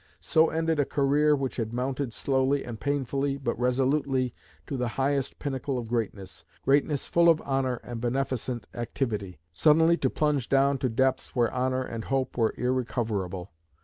So ended a career which had mounted slowly and painfully, but resolutely, to the highest pinnacle of greatness greatness full of honour and beneficent activity suddenly to plunge down to depths where honour and hope were irrecoverable.